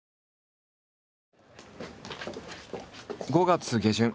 ５月下旬。